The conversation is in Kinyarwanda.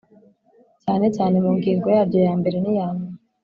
cyane cyane mu ngingo yaryo yambere niya nyuma